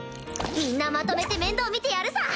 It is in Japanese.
みんなまとめて面倒見てやるさ！